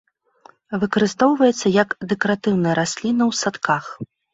Выкарыстоўваецца як дэкаратыўная расліна ў садках.